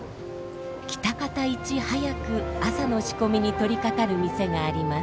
喜多方一早く朝の仕込みに取りかかる店があります。